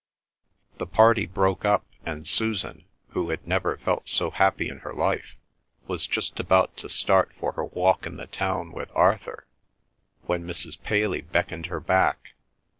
The party broke up, and Susan, who had never felt so happy in her life, was just about to start for her walk in the town with Arthur, when Mrs. Paley beckoned her back.